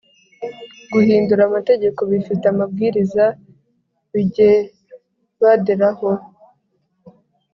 guhindura amategeko bifite amabwiriza bigebderaho